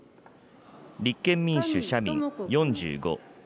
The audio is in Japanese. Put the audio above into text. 立憲民主・社民４５。